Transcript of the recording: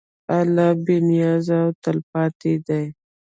الله بېنیاز او تلپاتې دی.